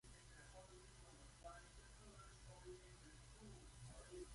The league played just one season, with no championship finals ever being staged.